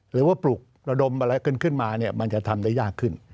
หรือว่าปลุกระดมอะไรขึ้นมาเนี่ยมันจะทำได้ยากขึ้น